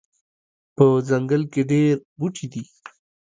په ځنګل کې ډیر بوټي دي